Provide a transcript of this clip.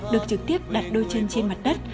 được trực tiếp đặt đôi chân trên mặt đất